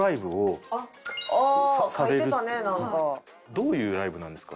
どういうライブなんですか？